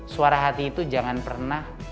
suara hati itu jangan pernah